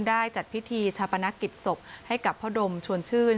ได้จัดพิธีชาปนกิจศพให้กับพ่อดมชวนชื่น